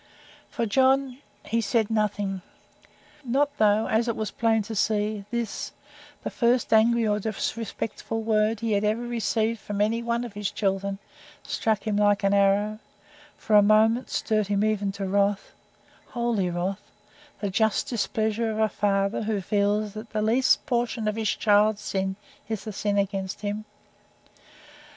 For John he said nothing. Not though, as was plain to see, this, the first angry or disrespectful word he had ever received from any one of his children, struck him like an arrow; for a moment stirred him even to wrath holy wrath the just displeasure of a father who feels that the least portion of his child's sin is the sin against him.